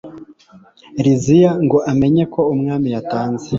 liziya ngo amenye ko umwami yatanze